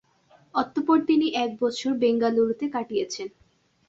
অতঃপর তিনি এক বছর বেঙ্গালুরুতে কাটিয়েছেন।